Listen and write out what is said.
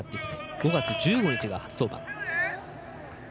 ５月１５日が初登板でした。